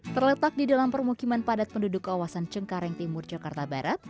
terletak di dalam permukiman padat penduduk kawasan cengkareng timur jakarta barat